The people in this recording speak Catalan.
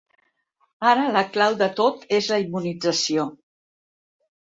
Ara la clau de tot és la immunització.